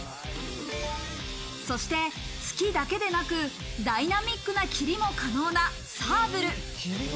そして突きだけでなく、ダイナミックな切りも可能なサーブル。